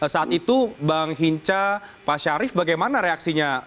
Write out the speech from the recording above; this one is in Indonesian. saat itu bang hinca pak syarif bagaimana reaksinya